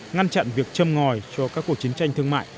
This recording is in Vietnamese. ngăn chặn việc châm ngòi cho các cuộc chiến tranh thương mại